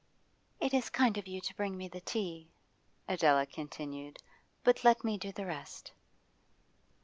'It is kind of you to bring me the tea,' Adela continued. 'But let me do the rest.